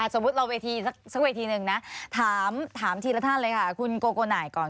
สมมุติเราเวทีสักเวทีหนึ่งนะถามทีละท่านเลยค่ะคุณโกโกหน่ายก่อน